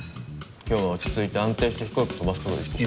今日は落ち着いて安定して飛行機飛ばす事を意識しよう。